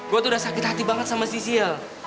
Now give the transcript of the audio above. gue tuh udah sakit hati banget sama sisiel